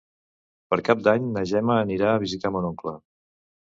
Per Cap d'Any na Gemma anirà a visitar mon oncle.